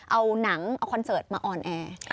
เอาหนังเอาคอนเสิร์ตมาออนแอร์